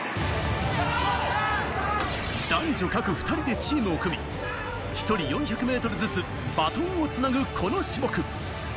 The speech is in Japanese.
男女各２人でチームを組み、１人４００ｍずつバトンをつなぐこの種目。